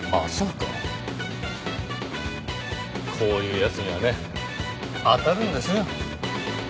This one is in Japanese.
こういう奴にはね当たるんですよ。